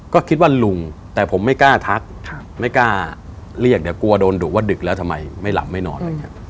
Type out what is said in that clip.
ก็คิดว่าลุงแต่ผมไม่กล้าทักไม่กล้าเรียกแต่กลัวโดนดุว่าดึกแล้วทำไมไม่หลับไม่นอน